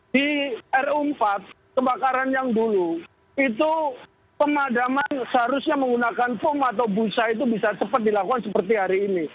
di ru empat kebakaran yang dulu itu pemadaman seharusnya menggunakan foam atau busa itu bisa cepat dilakukan seperti hari ini